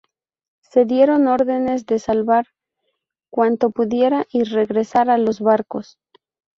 Se dieron órdenes de salvar cuanto pudiera y regresar en los barcos.